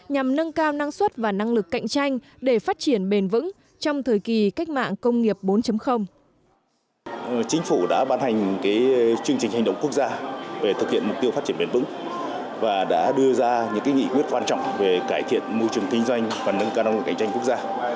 nhằm nâng cao năng suất và năng lực cạnh tranh để phát triển bền vững